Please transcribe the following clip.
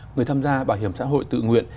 người tham gia bảo hiểm xã hội tự nguyện